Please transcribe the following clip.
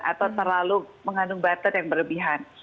atau terlalu mengandung butter yang berlebihan